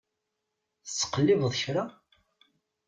Tettqellibeḍ kra?